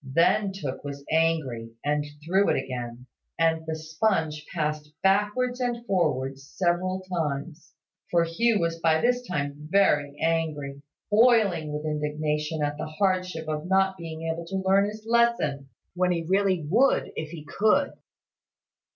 Then Tooke was angry, and threw it again, and the sponge passed backwards and forwards several times: for Hugh was by this time very angry, boiling with indignation at the hardship of not being able to learn his lesson, when he really would if he could.